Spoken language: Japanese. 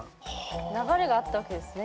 流れがあったわけですね